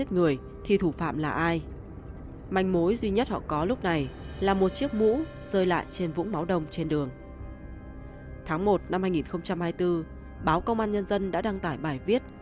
năm hai nghìn hai mươi bốn báo công an nhân dân đã đăng tải bài viết